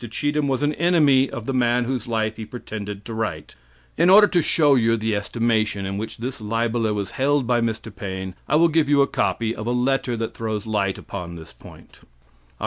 Cheetham was an enemy of the man whose life he pretended to write. In order to show you the estimation in which this libeler was held by Mr. Paine, I will give you a copy of a letter that throws light upon this point: "Oct.